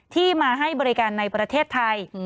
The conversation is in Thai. ที่มาให้บริการในประเทศไทย